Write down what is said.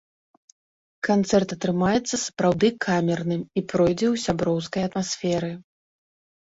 Канцэрт атрымаецца сапраўды камерным і пройдзе ў сяброўскай атмасферы.